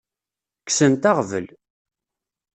Kksent aɣbel.